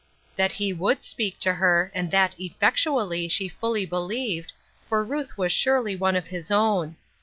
That he would speak to her, and that effectually, she fully believed, for Ruth was surely one of his own.